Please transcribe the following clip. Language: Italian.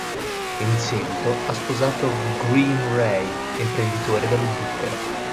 In seguito ha sposato Graeme Rey, imprenditore dello zucchero.